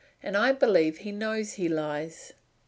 and I believe he knows he lies!